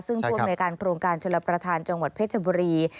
ซึ่งผู้อำนวยการโครงการชลประธานจังหวัดเพชรบุรี